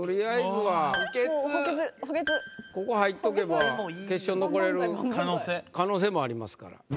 ここ入っとけば決勝残れる可能性もありますから。